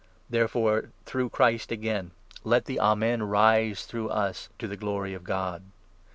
Therefore, through Christ again, let the 'Amen 'rise, through us, totheglory of God.